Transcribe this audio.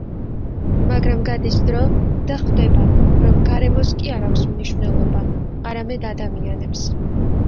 მაგრამ გადის დრო და ხვდება, რომ გარემოს კი არ აქვს მნიშვნელობა, არამედ ადამიანებს.